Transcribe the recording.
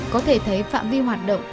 có thể thấy phạm vi hoạt động